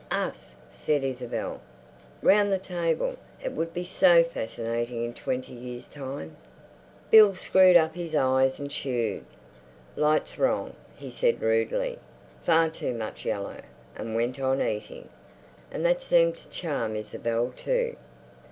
"Us," said Isabel, "round the table. It would be so fascinating in twenty years' time." Bill screwed up his eyes and chewed. "Light's wrong," he said rudely, "far too much yellow"; and went on eating. And that seemed to charm Isabel, too.